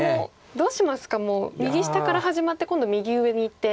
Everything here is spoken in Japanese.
どうしますかもう右下から始まって今度右上にいって。